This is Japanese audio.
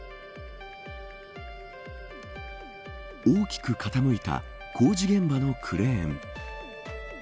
大きく傾いた工事現場のクレーン。